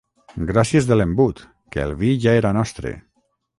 Gràcies de l'embut, que el vi ja era nostre.